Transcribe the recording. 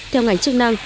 theo ngành chức năng